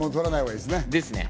ですね。